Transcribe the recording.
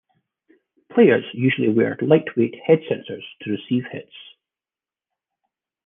Players usually wear lightweight head sensors to receive hits.